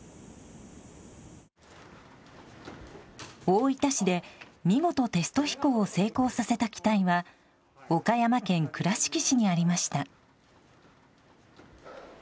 大分市で、見事テスト飛行を成功させた機体は岡山県倉敷市にありました。